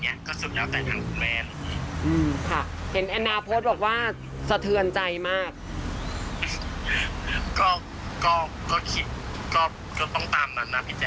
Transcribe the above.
อย่างเชียงกับคนเรียกคำว่าอ๋อ